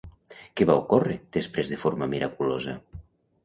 Què va ocórrer després de forma miraculosa?